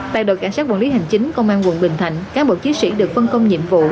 tại đội cảnh sát quản lý hành chính công an quận bình thạnh cán bộ chiến sĩ được phân công nhiệm vụ